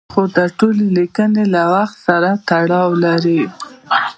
خو دا ټولې لیکنې له تېر وخت سره تړاو لري.